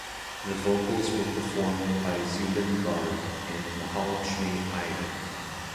The vocals were performed by Zubeen Garg and Mahalakshmi Iyer.